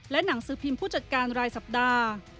หนังสือพิมพ์ผู้จัดการรายสัปดาห์